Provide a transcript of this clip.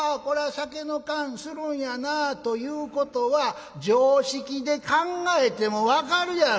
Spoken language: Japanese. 酒の燗するんやなあ』ということは常識で考えても分かるやろ」。